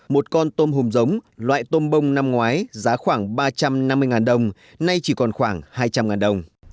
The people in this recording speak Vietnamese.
một con tôm hùm giống loại tôm bông năm ngoái giá khoảng ba trăm năm mươi đồng nay chỉ còn khoảng hai trăm linh đồng